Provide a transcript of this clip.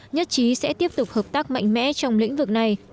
nhất trí sẽ tiếp tục hợp tác mạnh mẽ trong lĩnh vực này